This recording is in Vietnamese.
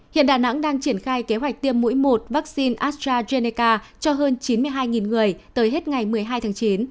hiện đà nẵng đang triển khai kế hoạch tiêm mũi một vaccine astrazeneca cho hơn chín mươi hai người tới hết ngày một mươi hai tháng chín